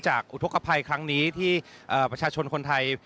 อุทธกภัยครั้งนี้ที่ประชาชนคนไทย